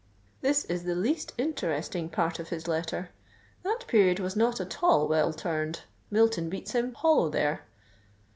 _' This is the least interesting part of his letter: that period was not at all well turned. Milton beats him hollow there.